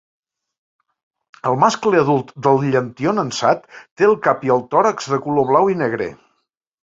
El mascle adult del llantió nansat té el cap i el tòrax de color blau i negre.